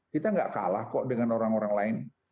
kita gak kalah kok dengan orang orang lain